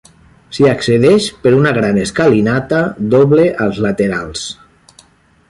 S'hi accedeix per una gran escalinata doble als laterals.